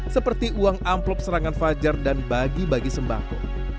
seperti uang amplop serangan fajar dan bagi bagi sembako